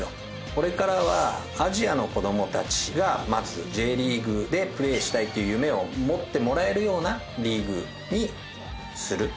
これからはアジアの子供たちがまずＪリーグでプレーしたいという夢を持ってもらえるようなリーグにする。